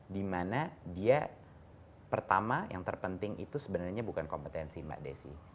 dimana dia pertama yang terpenting itu sebenarnya bukan kompetensi mbak desi